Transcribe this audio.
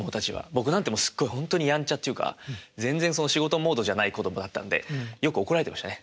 僕なんてすっごいほんとにやんちゃっていうか全然仕事モードじゃない子供だったんでよく怒られてましたね。